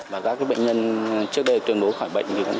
và các bệnh nhân trước đây tuyên bố khỏi bệnh thì cũng